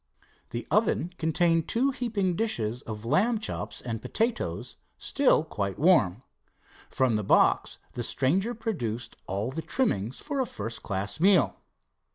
The oven contained two heaping dishes of lamb chops, and potatoes, still quite warm. From the box the stranger produced all the trimmings for a first class meal.